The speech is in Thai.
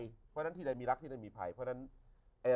เพราะฉะนั้นที่ใดมีรักที่ได้มีภัยเพราะฉะนั้น